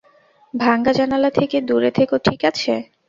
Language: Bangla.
ভাঙা জানালা থেকে দূরে থেকো ঠিক আছে।